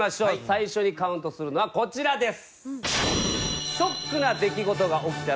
最初にカウントするのはこちらです。